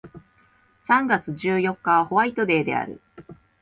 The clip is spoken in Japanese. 三月十四日はホワイトデーである